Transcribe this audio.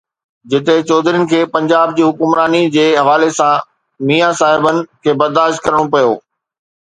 جتي چوڌرين کي پنجاب جي حڪمرانيءَ جي حوالي سان ميان صاحبن کي برداشت ڪرڻو پيو.